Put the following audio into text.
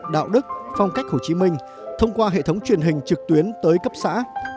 đạo đức phong cách hồ chí minh thông qua hệ thống truyền hình trực tuyến tới cấp xã